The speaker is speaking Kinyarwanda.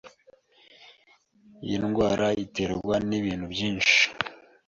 iyi ndwara iterwa nibintu byinshi